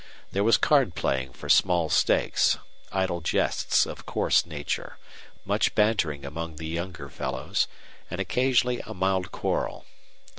There was card playing for small stakes, idle jests of coarse nature, much bantering among the younger fellows, and occasionally a mild quarrel.